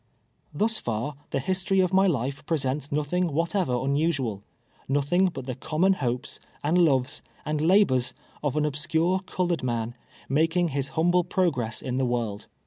Thus far the history of my life presents nothing whalcv'v :■ unu&ual — nothing but the common liopes, and loves, and labors of an obscure colored man, ma king his humble progress in the world.